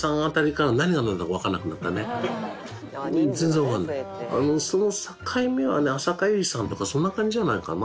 多分その境目はね浅香唯さんとかそんな感じじゃないかな。